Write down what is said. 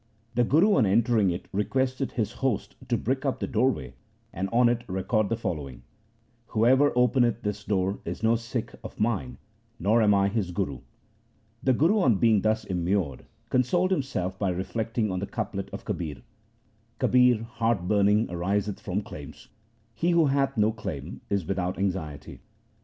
The Guru on entering it requested his host to brick up the doorway and on it record the follow ing :' Whoever openeth this door is no Sikh of mine, nor am I his Guru.' The Guru on being thus immured consoled himself by reflecting on the couplet of Kabir :— Kabir, heart burning ariseth from claims, he who hath no claim is without anxiety.